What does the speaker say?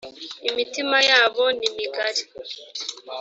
imitima yabo nimigari.